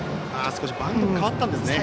少しバウンドが変わったんですね。